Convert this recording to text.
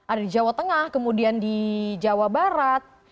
ada di jawa tengah kemudian di jawa barat